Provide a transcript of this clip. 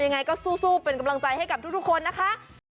ยังไงก็สู้เป็นกำลังใจให้กับทุกคนนะคะ